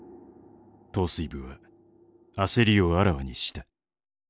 統帥部は焦りをあらわにした。